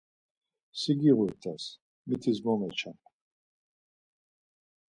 Si giğut̆as. Mitis mo meçam.